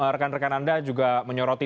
rekan rekan anda juga menyoroti